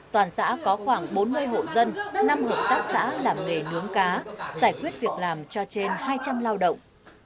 toàn xã có khoảng bốn mươi hộ dân năm hợp tác xã làm nghề nướng cá giải quyết việc làm cho trên hai trăm linh lao động